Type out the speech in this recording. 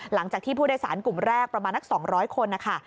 หลังจากที่ผู้โดยสารกลุ่มแรกประมาณนัก๒๐๐คนนะคะ